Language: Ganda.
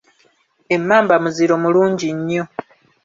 Emmamba muziro mulungi nnyo.